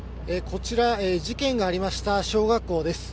こちら事件がありました小学校です。